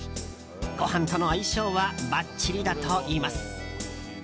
ご飯との相性はばっちりだといいます。